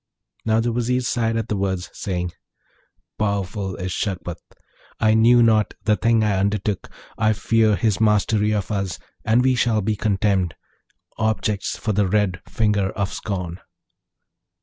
Now, the Vizier sighed at the words, saying, 'Powerful is Shagpat. I knew not the thing I undertook. I fear his mastery of us, and we shall be contemned objects for the red finger of scorn.'